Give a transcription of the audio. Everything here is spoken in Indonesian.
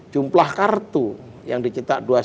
jumlah kartu yang dicita dua lima